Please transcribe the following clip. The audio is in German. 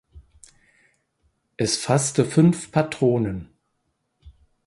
Es fasste fünf Patronen.